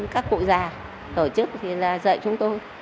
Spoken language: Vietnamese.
các cụ già tổ chức thì là dạy chúng tôi